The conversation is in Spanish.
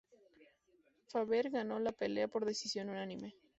Faber ganó la pelea por decisión unánime.